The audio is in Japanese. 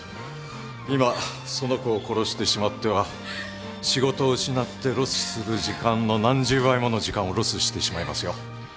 今その子を殺してしまっては仕事を失ってロスする時間の何十倍もの時間をロスしてしまいますよ。